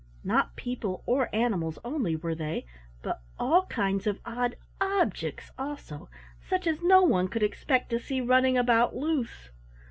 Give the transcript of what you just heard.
Not people or animals only were they, but all kinds of odd objects also, such as no one could expect to see running about loose.